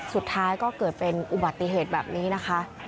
สุดท้ายก็เกิดเป็นอุบัติเหตุแบบนี้นะคะ